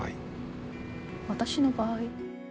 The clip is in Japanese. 私の場合？